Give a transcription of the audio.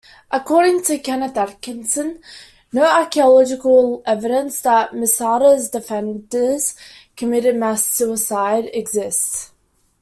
According to Kenneth Atkinson, no "archaeological evidence that Masada's defenders committed mass suicide" exists.